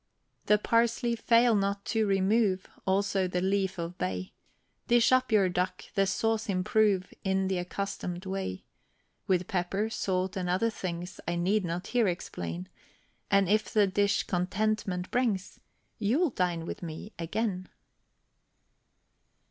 The parsley fail not to remove, Also the leaf of bay; Dish up your duck, the sauce improve In the accustom'd way, With pepper, salt, and other things I need not here explain; And if the dish contentment brings, You'll dine with me again.